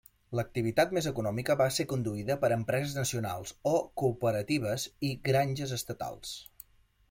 L'activitat més econòmica va ser conduïda per empreses nacionals o cooperatives i granges estatals.